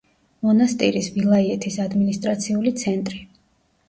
მონასტირის ვილაიეთის ადმინისტრაციული ცენტრი.